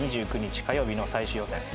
２９日火曜日の最終予選